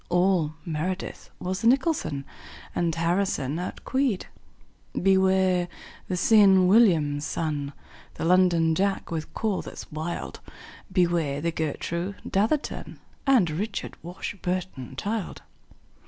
All meredith was the nicholson, And harrison outqueed. Beware the see enn william, son, The londonjack with call that's wild. Beware the gertroo datherton And richardwashburnchild.